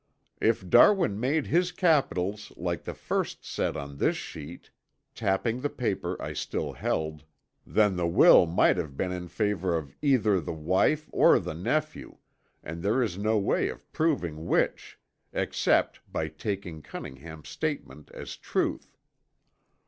If Darwin made his capitals like the first set on this sheet," tapping the paper I still held, "then the will might have been in favor of either the wife or the nephew and there is no way of proving which, except by taking Cunningham's statement as truth.